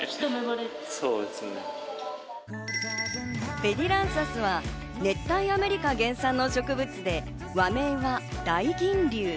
ペディランサスは熱帯アメリカ原産の植物で和名は大銀龍。